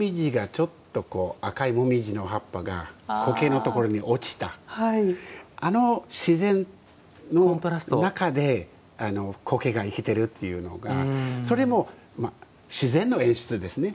ちょっとこう赤いもみじの葉っぱが苔のところに落ちたあの自然の中で苔が生きてるというのがそれも自然の演出ですね。